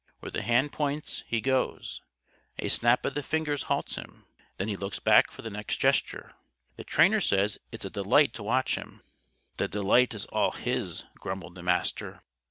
Where the hand points he goes. A snap of the fingers halts him. Then he looks back for the next gesture. The trainer says it's a delight to watch him." "The delight is all his," grumbled the Master.